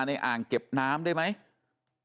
เขาร่ากันบนเขาไงใช่แม้